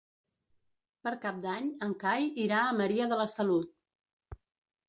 Per Cap d'Any en Cai irà a Maria de la Salut.